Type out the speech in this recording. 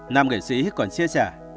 nam nghệ sĩ còn chia sẻ